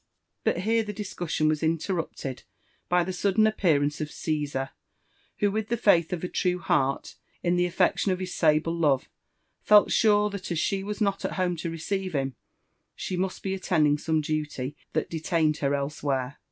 But here the discussion was interrupted by the sudden appearaoco of Caesar, who, with the fiiith of a true heart, in dw affeotiOQ of his eable love, felt sure that as she was not at home to receive him, she must be attending some duty that detained her elsewhere.